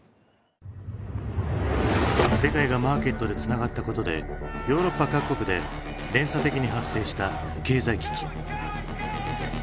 世界がマーケットでつながったことでヨーロッパ各国で連鎖的に発生した経済危機。